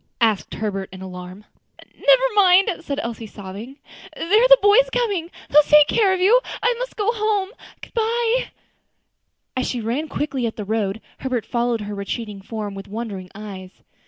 asked Herbert in alarm. "Never mind," said Elsie, sobbing. "There are the boys coming; they will take care of you, and I must go home. Good bye." And she ran quickly up the road, Herbert following her retreating form with wondering eyes.